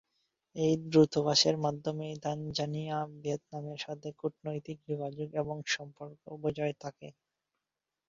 এই দূতাবাসের মাধ্যমেই তানজানিয়া, ভিয়েতনামের সাথে কূটনৈতিক যোগাযোগ এবং সম্পর্ক বজায় থাকে।